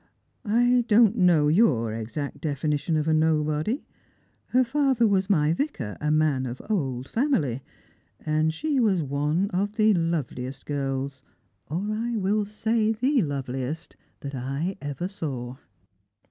" I don't know your exact definition of a nobody. Her father was my vicar — a man of old family ; and she was one of the loveliest girls, or I will say the loveliest, I ever saw."